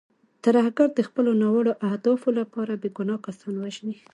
ترهګر د خپلو ناوړو اهدافو لپاره بې ګناه کسان وژني.